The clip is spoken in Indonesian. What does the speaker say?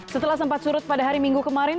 setelah sempat surut pada hari minggu kemarin